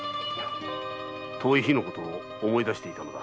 遠い日のことを思い出していたのだ。